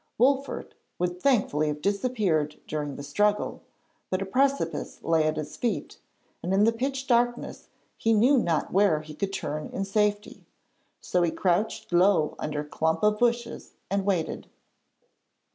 [Illustration: THE FACE OF THE DROWNED BUCCANEER] Wolfert would thankfully have disappeared during the struggle, but a precipice lay at his feet, and in the pitch darkness he knew not where he could turn in safety. So he crouched low under a clump of bushes and waited.